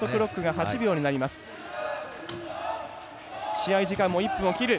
試合時間も１分を切る。